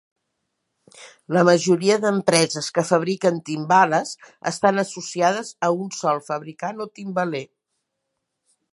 La majoria d'empreses que fabriquen timbales estan associades a un sol fabricant o timbaler.